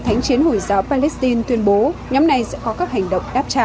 thánh chiến hồi giáo palestine tuyên bố nhóm này sẽ có các hành động đáp trả